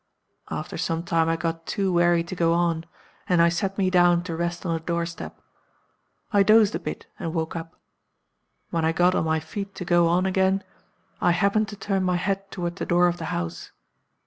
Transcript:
After some time I got too weary to go on; and I sat me down to rest on a door step. I dozed a bit, and woke up. When I got on my feet to go on again, I happened to turn my head toward the door of the house.